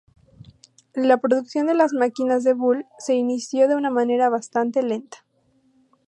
La producción de las máquinas de Bull se inició de una manera bastante lenta.